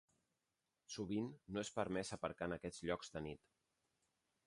Sovint, no és permès aparcar en aquests llocs de nit.